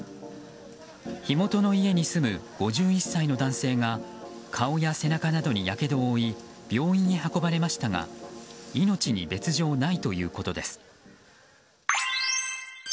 火元の家に住む５１歳の男性が顔や背中などにやけどを負い病院へ運ばれましたが命に別条ないということです。